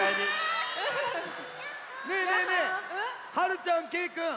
ねえねえねえはるちゃんけいくん。